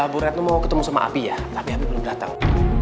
bu retno mau ketemu sama api ya tapi api belum datang